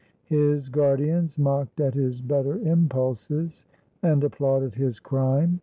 His guardians mocked at his better impulses, and ap plauded his crime.